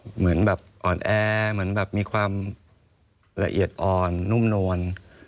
เหมือนอ่อนแอมีความละเอียดอ่อนนุ่มนวล